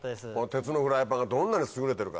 鉄のフライパンがどんなに優れてるか。